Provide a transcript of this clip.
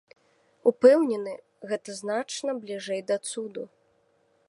Упэўнены, гэта значна бліжэй да цуду.